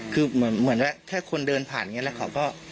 คือเหมือนว่าแค่คนเดินผ่านอย่างนี้แล้วเขาก็